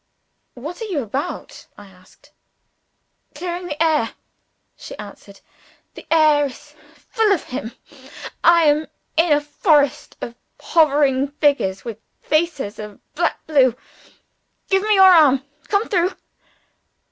"What are you about?" I asked. "Clearing the air," she answered. "The air is full of him. I am in a forest of hovering figures, with faces of black blue. Give me your arm. Come through!"